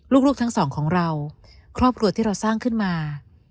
ลูกทั้งสองของเราครอบครัวที่เราสร้างขึ้นมา